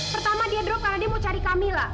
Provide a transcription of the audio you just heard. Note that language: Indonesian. pertama dia drop karena dia mau cari kamila